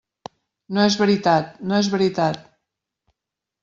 No és veritat –no és veritat.